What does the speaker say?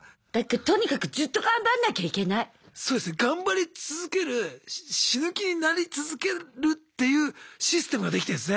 頑張り続ける死ぬ気になり続けるっていうシステムができてるんですね。